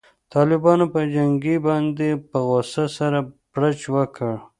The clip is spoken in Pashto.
طالبانو په چیني باندې په غوسه سره بړچ وکړ.